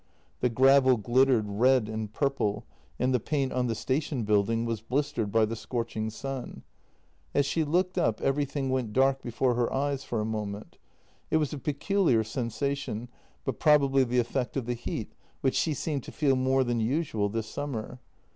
The gravel glittered red and purple, and the paint on the station building was blistered by the scorching sun. As she looked up everything went dark before her eyes for a moment; it was a peculiar sensation, but probably the effect of the heat, which she seemed to feel more than usual this summer.